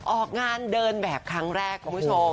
ออกงานเดินแบบครั้งแรกคุณผู้ชม